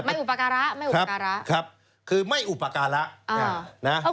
อุปการะไม่อุปการะครับคือไม่อุปการะนะครับ